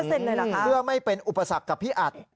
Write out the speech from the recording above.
เพื่อไม่เป็นอุปสรรคกับพี่อัด